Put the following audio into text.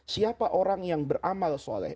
siapa orang yang beramal soleh